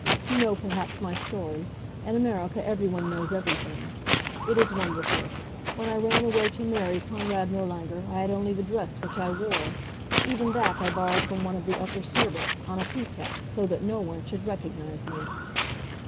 You know perhaps my story. In America, everyone knows everything. It is wonderful. When I ran away to marry Konrad Nirlanger I had only the dress which I wore; even that I borrowed from one of the upper servants, on a pretext, so that no one should recognize me.